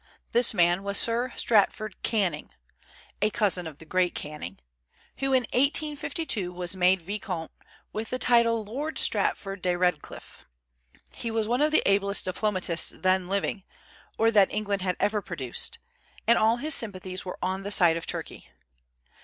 This man was Sir Stratford Canning (a cousin of the great Canning), who in 1852 was made viscount, with the title Lord Stratford de Redcliffe. He was one of the ablest diplomatists then living, or that England had ever produced, and all his sympathies were on the side of Turkey.